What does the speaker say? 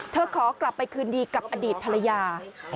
ขอกลับไปคืนดีกับอดีตภรรยา